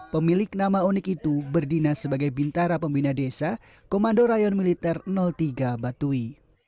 pemilik nama unik itu berdinas sebagai bintara pembina desa komando rayon militer tiga batui